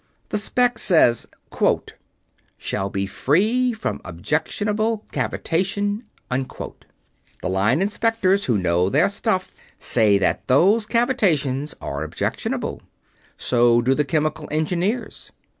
The spec says quote shall be free from objectionable cavitation unquote. The Line Inspectors, who know their stuff, say that those cavitations are objectionable. So do the Chemical Engineers.